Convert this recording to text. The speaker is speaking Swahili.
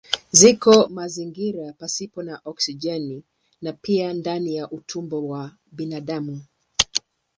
Ziko mazingira pasipo na oksijeni na pia ndani ya utumbo wa binadamu.